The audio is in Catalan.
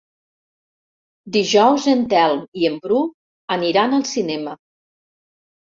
Dijous en Telm i en Bru aniran al cinema.